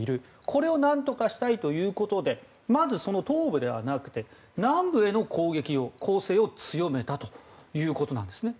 これを何とかしたいということでまず東部ではなくて南部への攻撃、攻勢を強めたということなんですね。